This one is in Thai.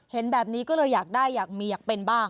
เห็นแบบนี้ก็เลยอยากได้อยากมีอยากเป็นบ้าง